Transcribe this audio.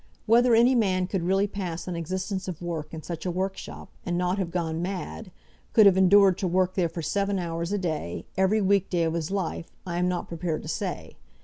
Whether any man could really pass an existence of work in such a workshop, and not have gone mad, could have endured to work there for seven hours a day, every week day of his life, I am not prepared to say.